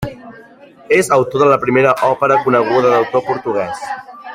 És autor de la primera òpera coneguda d'autor portuguès.